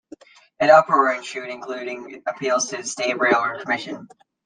An uproar ensued, including appeals to the State Railroad Commission.